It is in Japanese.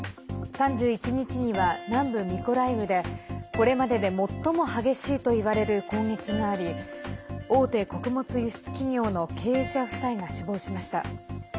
３１日には南部ミコライウでこれまでで最も激しいといわれる攻撃があり大手穀物輸出企業の経営者夫妻が死亡しました。